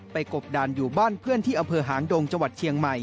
กบดานอยู่บ้านเพื่อนที่อำเภอหางดงจังหวัดเชียงใหม่